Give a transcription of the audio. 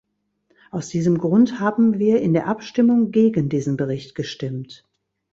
Aus diesem Grund haben wir in der Abstimmung gegen diesen Bericht gestimmt.